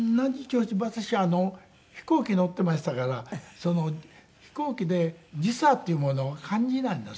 私飛行機乗ってましたから飛行機で時差っていうものを感じないんですねあんまり。